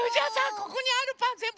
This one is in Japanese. ここにあるパンぜんぶ